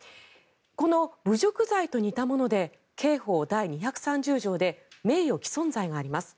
この侮辱罪と似たもので刑法第２３０条で名誉毀損罪があります。